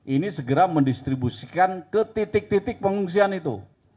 ini segera mendistribusikan ke titik titik pengungsian itu